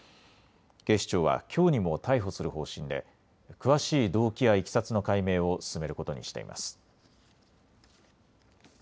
警視庁はきょうにも逮捕する方針で詳しい動機やいきさつの解明を進めることにしています。